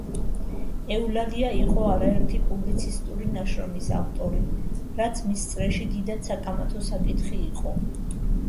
ეულალია იყო არაერთი პუბლიცისტური ნაშრომის ავტორი, რაც მის წრეში დიდად საკამათო საკითხი იყო.